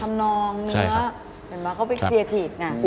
ทำนองเนี่ยเห็นไหมเขาเป็นคลีเอทีฟไง